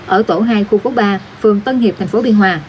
ở tổ hai khu phố ba phường tân hiệp thành phố biên hòa